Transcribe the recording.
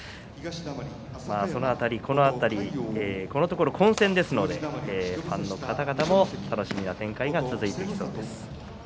その辺りこのところ混戦ですのでファンの方々も楽しみな展開が続いていきそうです。